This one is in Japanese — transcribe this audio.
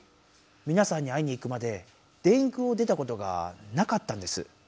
みなさんに会いに行くまで電空を出たことがなかったんです。